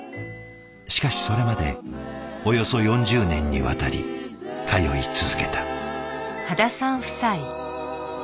しかしそれまでおよそ４０年にわたり通い続けた。